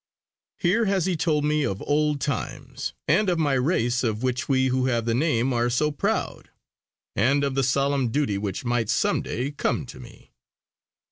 Here has he told me of old times, and of my race of which we who have the name are so proud; and of the solemn duty which might some day come to me.